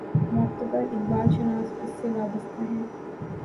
معتبر اقبال شناس اس سے وابستہ ہیں۔